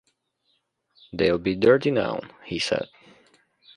“They’ll be dirty now,” he said.